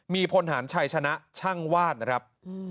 มีพลฐานชัยชนะช่างวาดนะครับ